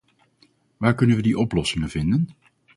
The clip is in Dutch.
Waar kunnen we die oplossingen vinden?